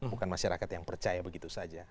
bukan masyarakat yang percaya begitu saja